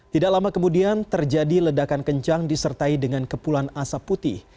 tidak lama kemudian terjadi ledakan kencang disertai dengan kepulan asap putih